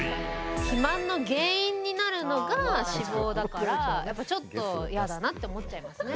肥満の原因になるのが脂肪だから、ちょっと嫌だなって思っちゃいますね。